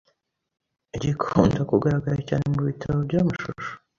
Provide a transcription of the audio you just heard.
gikunda kugaragara cyane mu bitabo by'amashusho